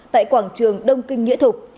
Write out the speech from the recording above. tại quảng trường đông kinh nghĩa thục